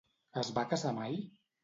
Es va casar mai?